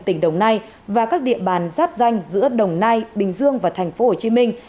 tỉnh đồng nai và các địa bàn giáp danh giữa đồng nai bình dương và tp hồ chí minh